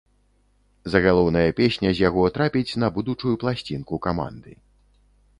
Загалоўная песня з яго трапіць на будучую пласцінку каманды.